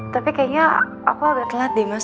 tapi kayaknya aku agak telat di mas